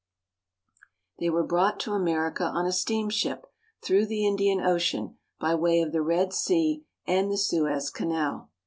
They were brought to America on a steamship through the Indian Ocean, by way of the Red Sea and the Suez Canal.